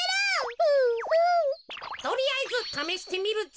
とりあえずためしてみるぞ。